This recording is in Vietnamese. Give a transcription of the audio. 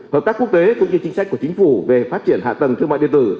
hợp tác quốc tế cũng như chính sách của chính phủ về phát triển hạ tầng thương mại điện tử